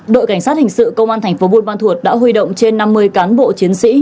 đội cảnh sát hình sự công an tp bun ban thuật đã huy động trên năm mươi cán bộ chiến sĩ